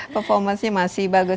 performance nya masih bagus